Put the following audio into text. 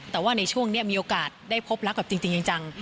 แต่ว่าในช่วงนี้มีโอกาสได้พบรักแบบจริงจัง